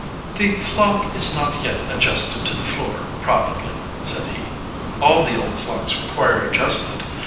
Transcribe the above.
"The clock is not yet adjusted to the floor, probably," said he. "All the old clocks require adjustment.